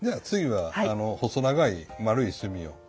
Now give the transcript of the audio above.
次は細長い丸い炭を。